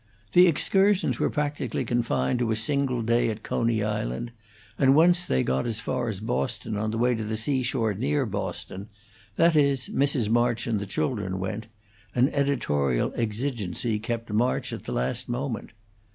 The excursions were practically confined to a single day at Coney Island; and once they got as far as Boston on the way to the seashore near Boston; that is, Mrs. March and the children went; an editorial exigency kept March at the last moment.